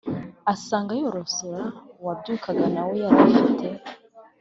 asanga yorosora uwabyukaga nawe yarafite